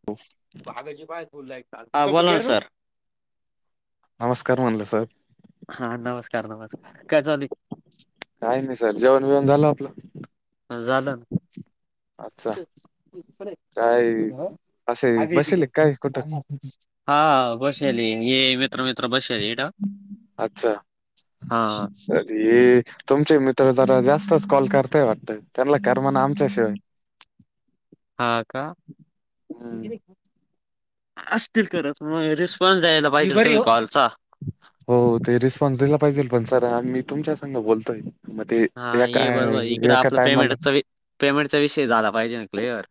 [inaudible] ह बोला ना सर, नमस्कार म्हनल सर. हा नमस्कार, नमस्कार काय चालूय? काही नाही सर जेवण, बीवन झालं आपलं. ह झालं. अच्छा! काय? असे बसेल काय कुठ? हा बसेल ए मित्र, मित्र बसेल हे. अच्छा! हा अरे तुमचे मित्र जरा जास्तच कॉल करताय वाटत त्यांना कर म्हणा आमच्याशिवाय. हा का? हम्म. असतील करत. मग रिस्पॉन्स द्यायला पाहिजे कॉलचा. हो ते रिस्पॉन्स दिला पाहिजे पण सर अ, मी, तुमच्या संग बोलतोय. मग ते हा एका ये बरोबर इकडें एका आपलं टायमाला पेमेंटचा पेमेंटचा विषय झाला पाहिजे ना क्लिअर.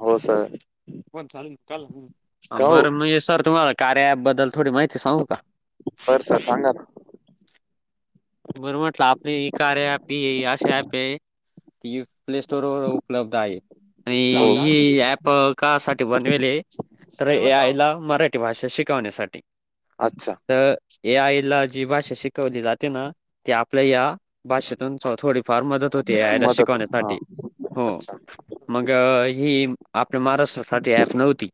हो सर. पण चालल अ का हो बर म सर तुम्हाला कार्या अँप बद्दल थोडी माहिती सांगू का? बर सर सांगा ना. बर म्हटलं आपली इ कार्या अँप ही अशी अँप ती प्ले स्टोर व उपलब्ध आहे. आणि हो ह ऍप कायासाठी बनेल तर ए यायला मराठी हि भाषा शिकवण्यासाठी. अच्छा! तर ए आईला जी भाषा शिकवली जाते ना, ते आपल्या या भाषेतून थोडीफार मदत होते ए याला मदत होत हा शिकवण्यासाठी. हो अच्छा मग ही आपल्या महाराष्ट्रासाठी ऍप नव्हती.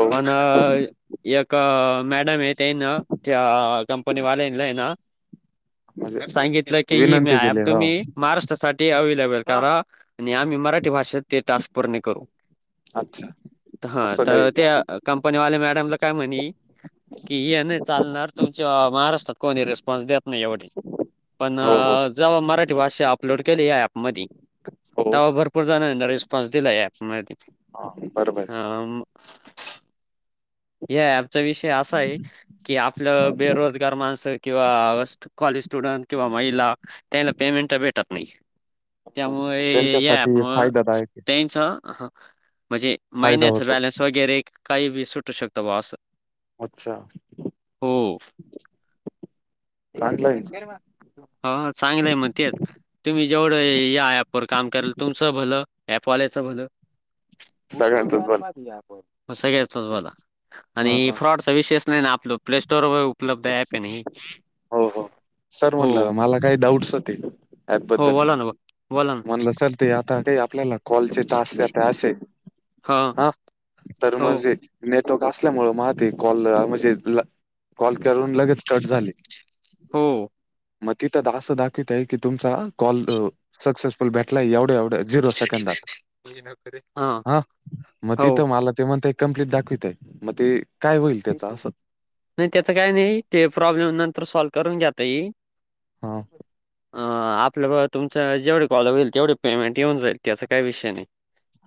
हो पण, एक मॅडम ये तेना त्या कंपनी वालानलाईना म्हणजे सांगितलं की हे विनंती ॲप केली मी हा तुम्ही महाराष्ट्रासाठी ते अवेलेबल करा आणि आम्ही मराठी भाषेत ते टॅक्स पूर्णे करू. अच्छा हा असं काही तर ते का कंपनीवाले मॅडमला काय म्हणी? कि हे नाही चालणार तुमच्या महाराष्ट्रात कोणी रिस्पॉन्स देत नाही एवढी पण हो हो जव्हा मराठी भाषा अपलोड केली ॲप मधी हो तवा भरपूर जणानि रिस्पॉन्स दिला ऍप म ह! बरोबर हे. हम! ह्या ॲपचा विषय असा आहे की? आपलं बेरोजगार माणसं किंवा कॉलेज स्टुडंट किंवा महिला त्याला पेमेंट तर भेटत नाही. हा, त्यामुळे या त्यांच्यासाठी ॲपमुळ फायदादायक आहे, म्हणजे फायदा महिन्याच होतो. बॅलन्स वगैरे काही बी सुटू शकतं बा असं. अच्छा! चांगला ब आहे हो चांगलं आहे मग तेच तुम्ही जेवढं या ॲपवर काम कराल तुमचं भलं ॲपवाल्याच भल भत आ सगळ्यांचच भलं. आप सग [unintelligible] बला हा आणि हा. फ्रॉडचा विशेष नाही ना आपल प्लेस्टोअरवर व उपलब्ध ॲप आहे ना हे. हो हो सर म्हटलं हो. मला काही डाऊटस होते? ऍप हो बद्दल बोला ना मग म्हणलं सर ते आता काही आपल्याला कॉलचे टास्क आता असे हां. हा तर हो, म जे नेटवर्क असल्यामुळे मग ते कॉल म्हणजे कॉल करून लगेच कट झाले. हो. मग तिथं असं दाखवित आहे की तुमचा कॉल सक्सेसफुल भेटला एवढ्या एवढ्या झिरो सेकंदात हां, ह मग हो. तिथं मला ते म्हणते कंप्लीट दाखवित आहे मग ते काय होईल त्याचा असं. नाही त्याचं काय नाही ते प्रॉब्लेम नंतर सॉल्व करून घात येई ह. अ आपलं तुमच जेवढे कॉल होईल तेवढे पेमेंट येऊन जाईल त्याचा काही विषय नाही.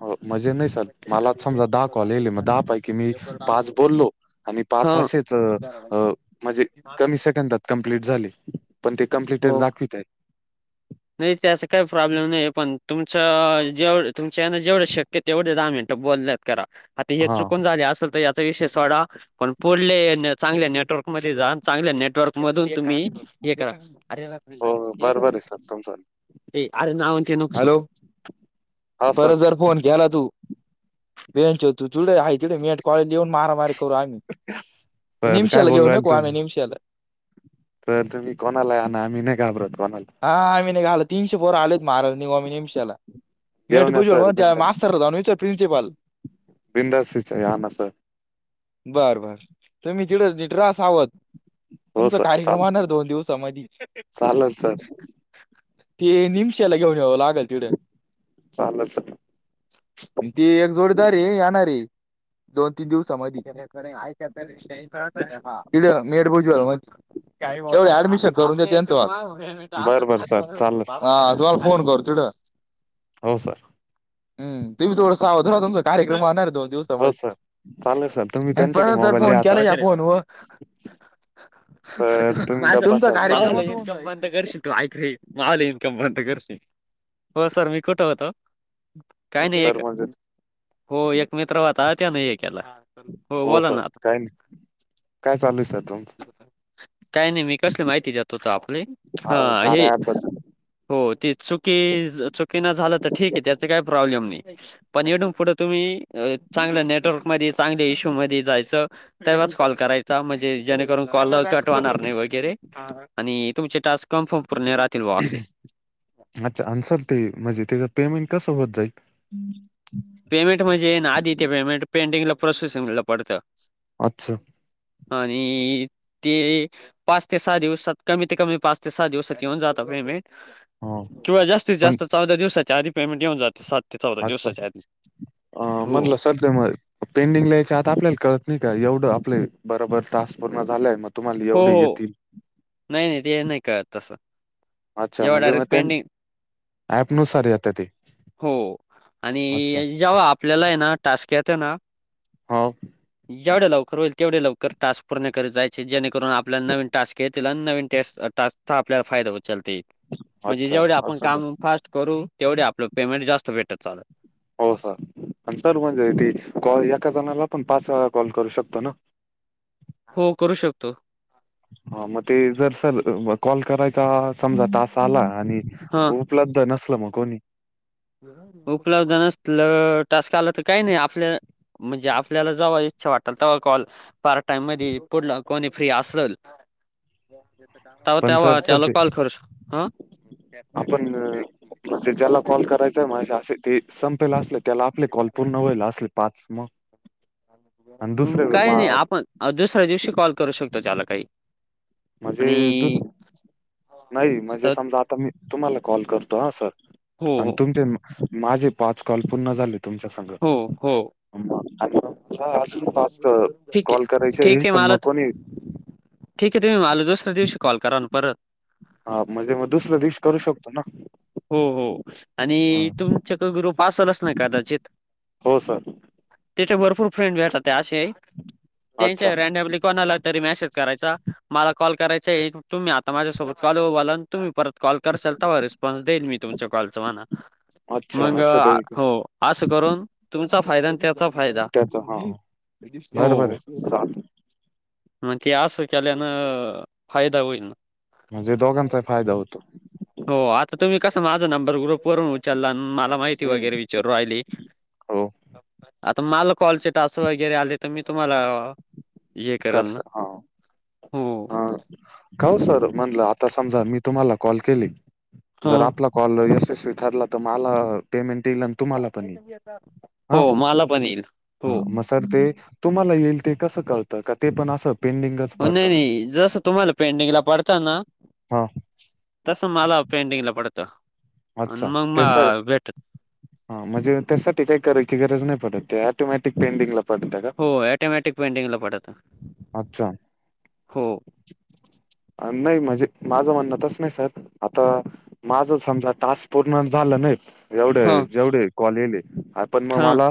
हो म्हजे नाही सर मला समजा दहा कॉल येले मग दहा पैकी मी पाच बोललो आणि पाच हां, अशेच अ म्हणजे कमी सेकंदात कंप्लीट झाली पण ते कंप्लिट हो. दाखवित आहेत. नाही त्याचा काही प्रॉब्लेम नाही पण तुमचं जेवढ तुमच्या यांना जेवढं शक्य तेवढे दहा मिनिटे बोलल्यात करा. आता हे हा चुकून झाले असेल तर विषय सोडा पण पुढले चांगल्या नेटवर्क मध्ये जा चांगल्या नेटवर्क मधून तुम्ही हे करा अरे म सर [unintelligible] अरे ना म्हचे न हॅलो हा परत सर जर फोन घ्याला तू वे च होत तथुड [unintelligible] मी कॉलेज ला येऊन मारामारी करू आम्ही तर काय निमशाला बोलू घेऊन राल येऊ का आम्ही तुम्ही निमशाला तर तुम्ही कोणाला आणा आम्ही नाही घाबरत कोणाला. हा आम्ही नाही घाबरत. तीनशे पोरं आलोत मारायलाश निघ आम्ही निमशाला मीट घेऊन या बुज सर मग बिंदास मास्र होच प्रिन्सिपल [unintelligible] बिनधास्त बर बर तुम्ही तिथ रहा सावध. हो तुमचा सर कार्यक्रम चाल होणार दोन दिवसामध्ये. चालेल सर ते निमशेला घेऊन यावं लागेल चालेल सर ती एक जोडीदार आहे. येणारे दोन तीन दिवसामध्ये ऐ काय [unintelligible] ति मेठ भुज तेवढ ऍडमिशन करून देत त्यांचं वा [unintelligible] बरं बर सर चालेल तुम्हाला फोन करतो. हो सर. हम तुम्ही थोडा सावध रहा तुमचा कार्यक्रम होणार आहे दोन हो समज सर चालेल सर तुम्ही आणि त्यांच्याकडे परतार मोबाईल द्या फन आता कन सर तुम्ही गप्प बसा शांत [unintelligible] बंद करशील तु ऐक रे, मायले इनकम बंद करशील, ओ सर मी कुठं होतो? काय नाही एक सर म्हणजे हो एक मित्र व्हता त्यान हे केला. हो बोला सर ना आता. काही नाही काय चालू आहे सर तुमचं? काय नाही मी कसली माहिती देत होतो आपली तुमचं हा हे कार्या ॲपबद्दल हो ते चुकी चुकीनं झालं तर ठीक आहे त्याच काही प्रॉब्लेम नाही. पण इथून पुढं तुम्ही चांगल्या नेटवर्क मध्ये चांगल्या इशू मध्ये जायचं तेव्हाच कॉल करायचा म्हणजे जेणेकरून कॉल कट व्हणार नाही वगैरे. आणि तुमचे टास्क कम्फर्म पूर्ण राहतील भावा असे. अच्छा, आणि सर ते म्हणजे त्याच पेमेंट कसं होत जाईल? पेमेंट म्हणजे ना आधी ते पेमेंट पेंडींगला प्रोसेसिंगला पडतं. अच्छा. आणि ते पाच ते सहा दिवसात कमी ते कमी पाच ते सहा दिवसात येऊन जात पेमेंट. हो किंवा जास्तीत पण जास्त चौदा दिवसाच्या आधी पेमेंट येऊन जातं सात ते चौदा दिवसाच्या आधी. अ हो, म्हणलं स च्यामुळे पेंडिंगला यायच्या आता आपल्याला कळत नाही का एवढं आपले बरोबर टास्क पूर्ण झालाय म हो हो नाही नाही ते नाही कळत तसं. अच्छा जेव्हा म्हणजे मग डायरेक्ट ते पेंडिंग ऍप नुसार येतं ते. हो आणि अच्छा जेव्हा आपल्याला हे ना टास्क येतं ना हाव. जेवढ्या लवकर होईल तेवढे लवकर टास्क पूर्ण करत जायचे जेणेकरून आपल्याला नवीन टास्क आहेत त्याला नवीन टस् टास्कचा आपल्याला फायदा उचलतील म्हणजे अच्छा जेवढे आपण असं का काम फास्ट करू तेवढे आपलं पेमेंट जास्त भेटत चालयं. हो सर, आणि सर म्हणजे ती कॉल एका जणाला पण पाच काॅल करू शकतो ना? हो करू शकतो. हा मग ते जर सर कॉल करायचा समजा तास आला आणि हा उपलब्ध नसलं मग कोणी? उपलब्ध नसलं टास्क आला तर काही नाही आपलं म्हणजे आपल्याला जवा इच्छा वाटलं तवा कॉल पार्टी टाइम मधी पुढंल कोणी फ्री असलं तवा पण सर तेवा सर त्याला ते कॉल करू शक.. हा. [unintelligible] समजा असं ती संपेल असले त्याला आपले कॉल पूर्ण व्हायला असले पाच मग आणि म दुसरे काही नाही मा- आपण दुसऱ्या दिवशी कॉल करू शकतो त्याला काही. म्हणजे आणि दुसं नाही अ, म्हणजे समजा आता मी तुम्हाला कॉल करतो हा सर हो आणि हो तुमचे माझे पाच कॉल पूर्ण झाले तुमच्या संग हो हो हा अजून टास्क कॉल करायचे ठीक आहे पण मला मग त कोणी ठीक आहे तुम्ही मला दुसऱ्या दिवशी कॉल करा ना परत. हा म्हणजे मग दुसऱ्या दिवशी करू शकतो ना. हो हो आणि हा. तुमच्याकडं ग्रुप असलचं ना कदाचित. हो सर त्याचे भरपूर फ्रेंड भेटताते असे अच्छा त्यांच्या रँडमली कोणाला तरी मेसेज करायचा मला कॉल करायचा तुम्ही आता माझ्यासोबत कॉलवर बोलाल? तुम्ही परत कॉल करसाल तेव्हा रिस्पाॅन्स देईल मी तुमच्या कॉलचा म्हणा अच्छा मंग असं काही का हो असं करून तुमचा फायदा ना त्यात हो तुमचा त्याचा हा फायदा..... बरोबर हो... आहे चालेल मग ते आस केल्यानं फायदा होईल ना. म्हणजे दोघांचा फायदा होतो. हो आत- तर तुम्ही कसं माझा नंबर ग्रुपवरून उचला आणि मला माहिती हं, वगैरे विचारू राहिले, हो आता माल कॉलचे टास वगैरे आले तर मी तुम्हांला करसा हां... हो. हा काओ सर, म्हणलं आता समजा मी तुम्हाला कॉल केले, ह जर आपला कॉल यशस्वी ठरला तर मला पेमेंट येईल अन् हो मला पण येईल.... हो.. जर ते तुम्हांला येईल ते कस कळतं का ते पण अस पेंडिंगच हो पडतं नाही- नाही जसं तुम्हाला पेंडिंगला पडतं ना, हा तस मला पेंडिगला पडतं आणि अच्छा मग म त्याचा भेटत हा म्हणजे त्याच्यासाठी काही करायची गरज नाही पडत ते ऑटोमॅटिक पेंटिंगला हो ऑटोमॅटिक पेंडिगला पडतं. अच्छा हो. नाही म्हणजे माझं म्हणणं तस नाही सर आता माझं समजा टास्क पूर्ण झालं नाहीत, एवढे हां -जेवढे कॉल यायले पण मग हां मला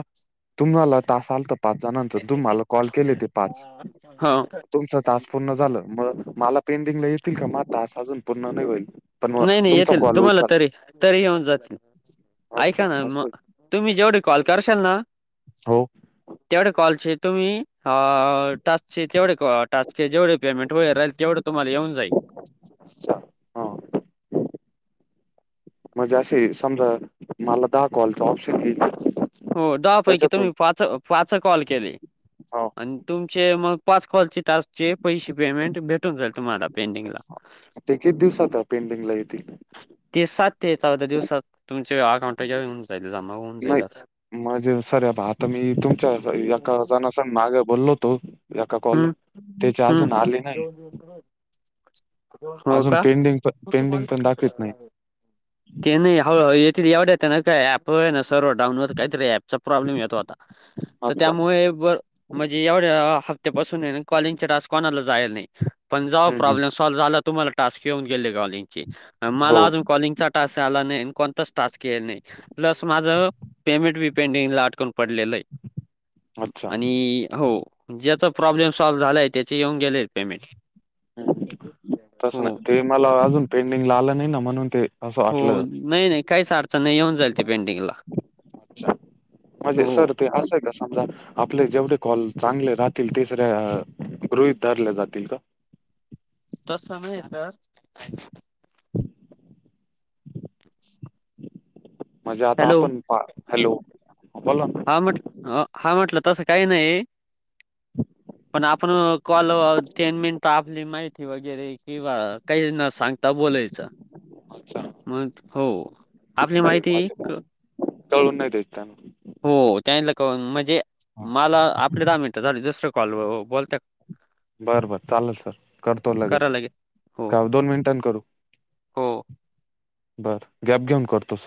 तुम्हांला टास आलता पाच जणांचा तुम्हांला कॉल केले ते पाच. हां तुमचा टास्क पूर्ण झालं, मग मला पेंडिंगला येतील का म टास्क अजून पूर्ण नाही होईल. पण मग नाही -नाही तुमचा येतील, कॉल तुम्हांला उचल तरी तरी येऊन जातील. अच्छा ऐका ना मग असं तुम्ही जेवढे कॉल करशाल ना, हो तेवढे कॉलचे तुम्ही अ... टास्कचे तेवढे कॉ टास्कचे जेवढे पेमेंट वगैरे राहील तेवढं तुम्हांला येऊन जाईल. अच्छा हा म्हणजे असे समजा मला दहा कॉलचा ऑप्शन येईल हो दहा पैकी त्याच्यातून तुम्ही पाच अ पाच कॉल केले हा आणि तुमचे मग पाच कॉलचे टास्क चे पैसे पेमेंट भेटून जाईल तुम्हांला पेंडिंगला. ते किती दिवसात पेंडिंगला येतील ते सात ते चौदा दिवसात तुमचे अकाउंटला होऊन जाईल, जमा होऊन जाईल नाही. आता. म्हणजे सर आता मी तुमच्या एका जना संग मागे बोललो होतो एका कॉल हं तेचे हं आजून आले नाही. हो अजून का पेंडिंग पण, पेंडिंग पण दाखवित नाही. ते नाही हळूहळू येतेत एवढ्याच्यानं काय आहे, आपणच सर्व्हर डाउन वर काहीतरी ऍपचा प्रॉब्लेम येत होता तर अच्छा त्यामुळे बर म्हणजे एवढ्या हप्त्यापासून हे ना कॉलिंगचे टास्क कोणाला जायला नाही पण जेव्हा हम्म हम्म प्रॉब्लेम कॉल झाला, तुम्हांला टास्क येऊन गेले कॉलिंगचे पण हो मला अजून कॉलिंगचा टास्क आला नाही आणि कोणताच टास्क यायला नाही, प्लस माझं पेमेंट बी पेंडिगला अटकुन पडलेलयं अच्छा. आणि हो ज्याचा प्रॉब्लेम सॉल्व झालाय त्याचे येऊन गेलय पेमेंट. हम्म. हो. पेंडिगला आला नाही ना म्हणून ते असं हो वाटलं. नाही -नाही काहीच अडचण नाही येऊन जाईल ते पेंडिगला. अच्छा म्हणजे सर ते असंय का समजा, आपले जेवढे कॉल चांगले राहतील, तेच र गृहित धरले जातील का? तस नाहीये ना सर? म्हणजे आता हॅलो. आपण पा, हॅलो, बोला ना. हा म्हट हा म्हटलं, तसं काही नाही पण आपण कॉल तीन मिनिट, आपली माहिती वगैरे किंवा काही न सांग ता बोलायचा अच्छा मग. हो. आपली माहिती क [unintelligible] हो त्यांन ला का म्हणजे मला आपले दहा मिनट झाले, जस्ट कॉल व बोलत बरं बर. चालेल सर, करतो लगेच. करायला लागेल. हो. का दोन मिनिटांनी करू? हो. बरं, गॅप घेऊन करतो सर.